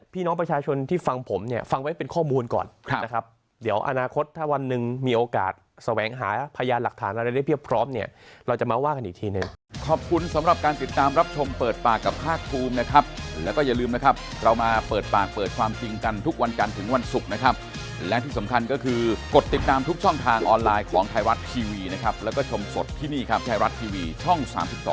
พี่น้องประชาชนที่ฟังผมเนี่ยฟังไว้เป็นข้อมูลก่อนนะครับเดี๋ยวอนาคตถ้าวันหนึ่งมีโอกาสแสวงหาพยานหลักฐานอะไรได้เรียบพร้อมเนี่ยเราจะมาว่ากันอีกทีหนึ่ง